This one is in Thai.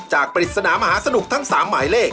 ปริศนามหาสนุกทั้ง๓หมายเลข